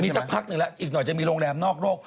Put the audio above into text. สักพักหนึ่งแล้วอีกหน่อยจะมีโรงแรมนอกโลก